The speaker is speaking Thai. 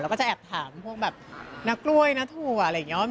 แล้วก็จะแอบถามพวกแบบนักกล้วยนาถั่วอะไรอย่างนี้